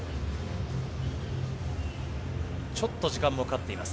ちょっと時間もかかっています。